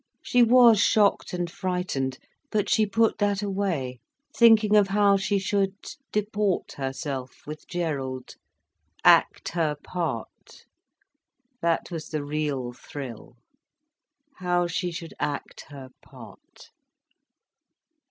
She was shocked and frightened, but she put that away, thinking of how she should deport herself with Gerald: act her part. That was the real thrill: how she should act her part.